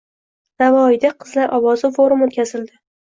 Navoiyda "Qizlar ovozi” forumi o‘tkazildi